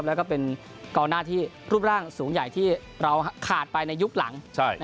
แล้วก็เป็นกองหน้าที่รูปร่างสูงใหญ่ที่เราขาดไปในยุคหลัง